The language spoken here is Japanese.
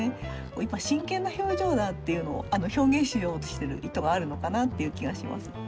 今真剣な表情だっていうのを表現しようとしてる意図があるのかなという気がします。